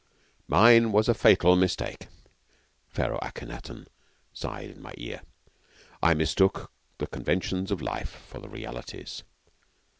'Mine was a fatal mistake,' Pharaoh Ahkenaton sighed in my ear,' I mistook the conventions of life for the realities.'